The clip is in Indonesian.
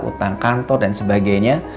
utang kantor dan sebagainya